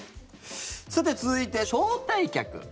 さて、続いて招待客。